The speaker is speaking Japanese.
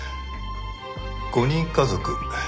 ５人家族。